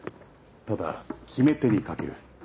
ただ決め手に欠ける。